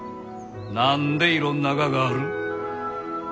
何でいろんなががある？